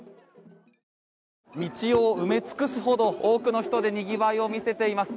道を埋め尽くすほど多くの人でにぎわいを見せています。